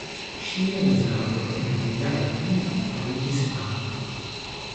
Ŝia uzado de la Vulgara Latina fariĝis fama.